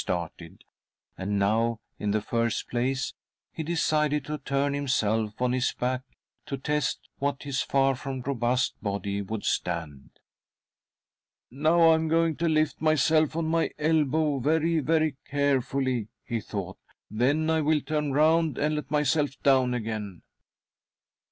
I started, and now, in the first place, he decided to turn himself on his back to test what his far from robust body would stand. "Now I am going to lift myself on my elbow very, very carefully," he thought; "then Twill turn round and let myself down again."